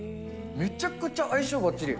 めちゃくちゃ相性ばっちり。